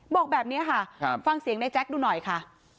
บอกแบบนี้ค่ะฟังเสียงในแจ๊คดูหน่อยค่ะ